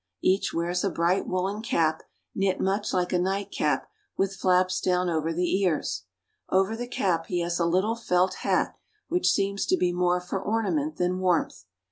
Each wears a bright woolen cap, knit much like a nightcap, with flaps down over the ears. Over the cap he has a little felt hat, which seems to be more for ornament than warmth.